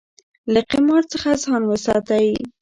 له قمار څخه ځان وساتئ.